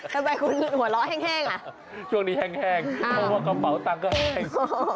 ทำไมคุณหัวเราะแห้งอ่ะช่วงนี้แห้งเพราะว่ากระเป๋าตังค์ก็แห้ง